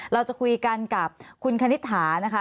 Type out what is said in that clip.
เราจะคุยกันกับคุณคณิตหานะคะ